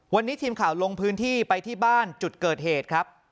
วันนี้ทีมข่าวลงพื้นที่ไปที่บ้านจุดเกิดเหตุครับ